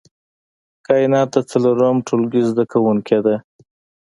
کاينات د څلورم ټولګي زده کوونکې ده